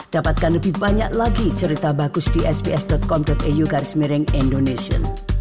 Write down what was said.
dapatkan lebih banyak lagi cerita bagus di sps com eu garis miring indonesia